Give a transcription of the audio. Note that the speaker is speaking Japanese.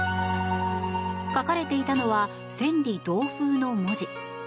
書かれていたのは「千里同風」の文字。